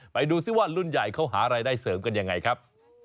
ไปดูซิว่ารุ่นใหญ่เขาหารายได้เสริมกันยังไงครับ